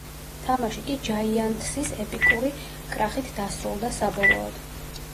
თამაში კი ჯაიანთსის ეპიკური კრახით დასრულდა საბოლოოდ.